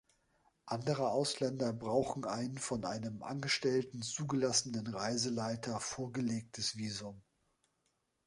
Andere Ausländer brauchen ein von einem angestellten, zugelassenen Reiseleiter vorgelegtes Visum.